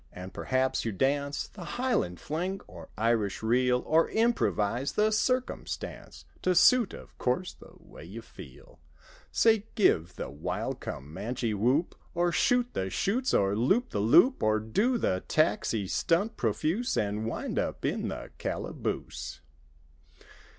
And perhaps you dance The Highland Fling or Irish Reel; Or improvise the circumstance To suit, of course, the way you feel: Say, give the wild Commanche whoop. Or shoot the chutes, or loop the loop. Or do the Taxi stunt profuse And wind up in the calaboose.